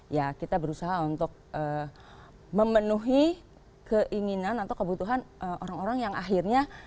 ya kita berusaha untuk memenuhi keinginan atau kebutuhan orang orang yang akhirnya